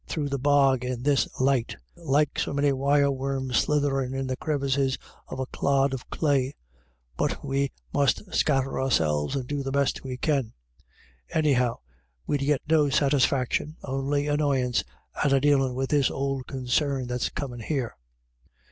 \ through the bog in this light, like so many wire worm slitherin' in the crevices of a clod of clay. ' But we must scatter ourselves and do the best we can. Anyhow we'd get no satisfaction, only annoyance, out of dealin' with this ould concern that's comin' here."